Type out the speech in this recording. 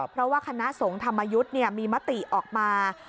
เพราะว่าคณะสงฆ์ธรรมยุทธ์มีมติออกมา